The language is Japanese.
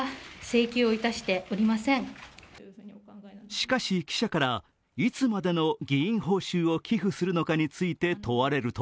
しかし記者から、いつまでの議員報酬を寄付するのか問われると